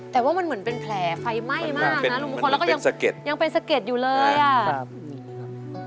แต่ว่ามันเหมือนเป็นแผลไฟไหม้มากนะลุงมงคลแล้วก็ยังสะเก็ดยังเป็นสะเก็ดอยู่เลยอ่ะครับ